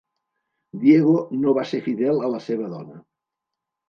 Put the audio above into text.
Diego no va ser fidel a la seva dona.